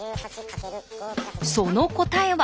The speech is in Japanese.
その答えは。